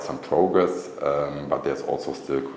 nhưng vẫn còn rất nhiều công việc